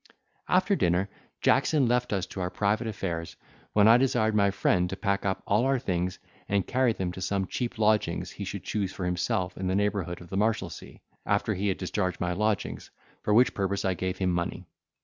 After dinner Jackson left us to our private affairs; when I desired my friend to pack up all our things, and carry them to some cheap lodgings he should choose for himself in the neighbourhood of the Marshalsea, after he had discharged my lodgings, for which purpose I gave him money.